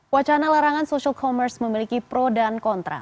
wacana larangan social commerce memiliki pro dan kontra